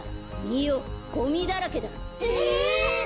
みよゴミだらけだ。ええ！？